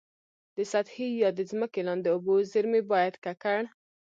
د سطحي یا د ځمکي لاندي اوبو زیرمي باید ککړ.